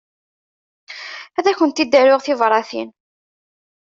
Ad akent-id-aruɣ tibratin.